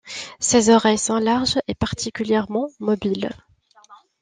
Ses oreilles sont larges et particulièrement mobiles.